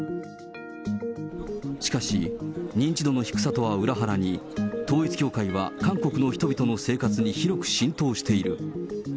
しかし、認知度の低さとは裏腹に、統一教会は韓国の人々の生活に広く浸透している。